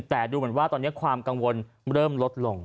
แต่ดูเหมือนว่าตอนนี้ความกังวลเริ่มลดลง